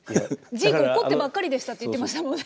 ジーコ怒ってばっかりでしたって言ってましたもんね。